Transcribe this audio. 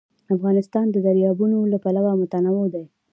افغانستان د دریابونه له پلوه متنوع دی.